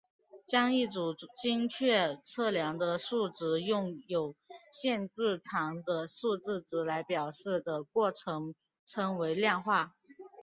将一组精确测量的数值用有限字长的数值来表示的过程称为量化。